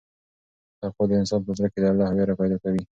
تقوا د انسان په زړه کې د الله وېره پیدا کوي.